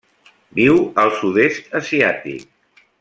Viu al sud-est asiàtic.